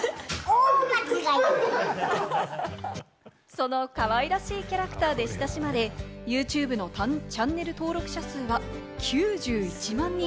そのかわいらしいキャラクターで親しまれ、ＹｏｕＴｕｂｅのチャンネル登録者数は９１万人！